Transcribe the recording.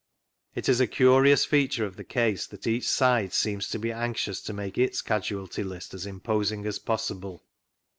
It is a curious feature of the case that each side seems to be anxious to make its casualty list as imposing as possible.